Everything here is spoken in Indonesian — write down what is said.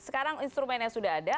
sekarang instrumennya sudah ada